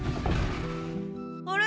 あれ？